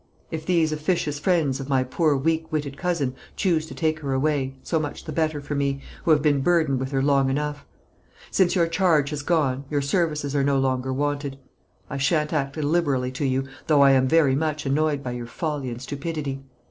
If these officious friends of my poor weak witted cousin choose to take her away, so much the better for me, who have been burdened with her long enough. Since your charge has gone, your services are no longer wanted. I shan't act illiberally to you, though I am very much annoyed by your folly and stupidity.